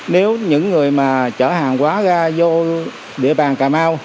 nếu những người mà chở hàng quá ga vô địa bàn cà mau